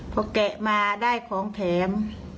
พอแกะมาได้ของแถม